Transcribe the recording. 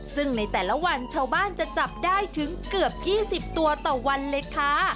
ซึ่งในแต่ละวันชาวบ้านจะจับได้ถึงเกือบ๒๐ตัวต่อวันเลยค่ะ